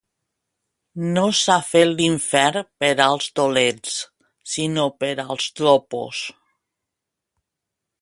No s'ha fet l'infern per als dolents, sinó per als dropos.